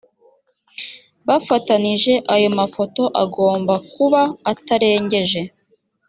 bafatanyije ayo mafoto agomba kuba atarengeje